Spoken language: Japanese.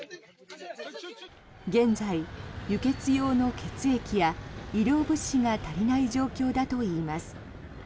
現在、輸血用の血液や医療物資が足りない状況だといいます。